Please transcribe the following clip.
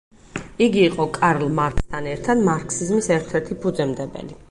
იგი იყო კარლ მარქსთან ერთად მარქსიზმის ერთ-ერთი ფუძემდებელი.